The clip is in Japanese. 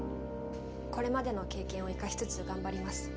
これまでの経験を活かしつつ頑張ります。